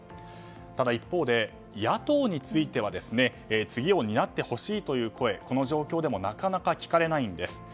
ただ一方で、野党については次を担ってほしいという声がこの状況でもなかなか聞かれないんです。